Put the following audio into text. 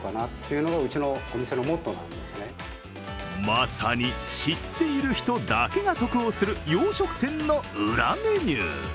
まさに知っている人だけが得をする洋食店の裏メニュー。